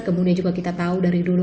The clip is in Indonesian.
kemudian juga kita tahu dari dulu